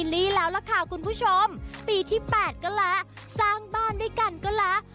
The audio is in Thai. ลี่แล้วล่ะค่ะคุณผู้ชมปีที่๘ก็แล้วสร้างบ้านด้วยกันก็แล้ว